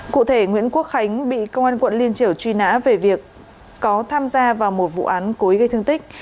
cụ thể nguyễn quốc khánh bị công an quận liên triều truy nã về việc có tham gia vào một vụ án cố ý gây thương tích